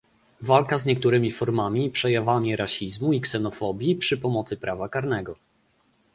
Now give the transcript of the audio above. Walka z niektórymi formami i przejawami rasizmu i ksenofobii przy pomocy prawa karnego